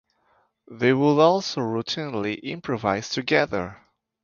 They would also routinely improvise together.